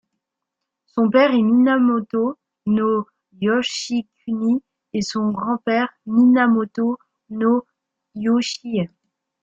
Son père est Minamoto no Yoshikuni et son grand-père Minamoto no Yoshiie.